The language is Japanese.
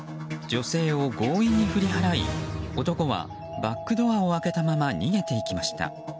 女性を強引に振り払い男はバックドアを開けたまま逃げていきました。